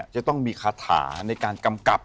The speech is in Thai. จะต้องมีคาถาในการกำกับ